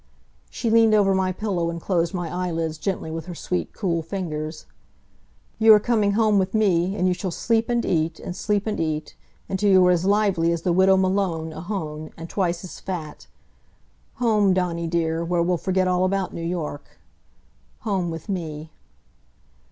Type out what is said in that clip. She leaned over my pillow and closed my eyelids gently with her sweet, cool fingers. "You are coming home with me, and you shall sleep and eat, and sleep and eat, until you are as lively as the Widow Malone, ohone, and twice as fat. Home, Dawnie dear, where we'll forget all about New York. Home, with me."